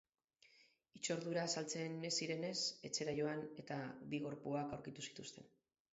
Hitzordura azaltzen ez zirenez, etxera joan eta bi gorpuak aurkitu zituzten.